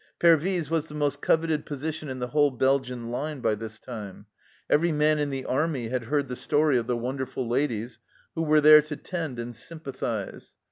Pervyse was the most coveted position in the whole Belgian line by this time ; every man in the army had heard the story of the wonderful ladies who were there to tend and sympathize.